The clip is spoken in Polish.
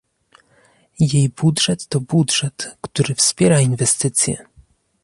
Jej budżet to budżet, który wspiera inwestycje